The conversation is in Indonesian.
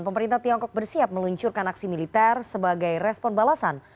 pemerintah tiongkok bersiap meluncurkan aksi militer sebagai respon balasan